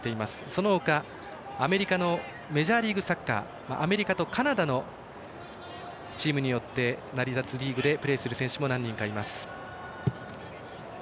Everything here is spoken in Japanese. その他、アメリカのメジャーリーグサッカーアメリカとカナダのチームによって成り立つリーグでプレーする選手も何人かいます。